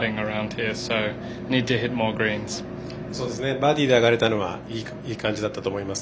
バーディーで上がれたのはいい感じだったと思います。